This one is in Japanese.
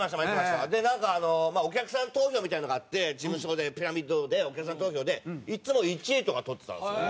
でなんかあのお客さん投票みたいのがあって事務所でピラミッドでお客さん投票でいつも１位とかとってたんですよ。